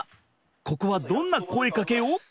ここはどんな声かけを？